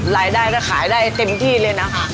รายได้ก็ขายได้เต็มที่เลยนะคะ